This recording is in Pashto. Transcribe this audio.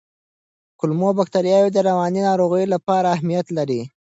کولمو بکتریاوې د رواني ناروغیو لپاره اهمیت لري.